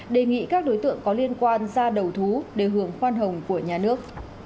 đề nghị các đối tượng có liên quan ra đầu thú để hưởng khoan hồng của nhà nước